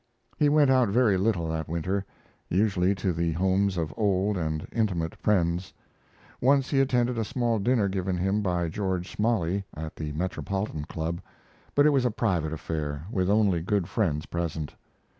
He went out very little that winter usually to the homes of old and intimate friends. Once he attended a small dinner given him by George Smalley at the Metropolitan Club; but it was a private affair, with only good friends present.